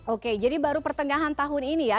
oke jadi baru pertengahan tahun ini ya